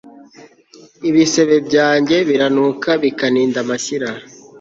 ibisebe byanjye biranuka bikaninda amashyira